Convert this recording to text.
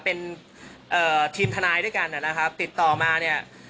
เป็นเอ่อทีมทนายด้วยกันนะครับติดต่อมาเนี่ย